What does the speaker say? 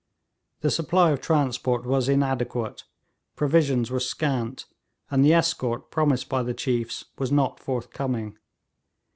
The supply of transport was inadequate, provisions were scant, and the escort promised by the chiefs was not forthcoming.